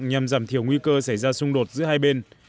nhằm giảm thiểu nguy cơ xảy ra xung đột giữa hai bên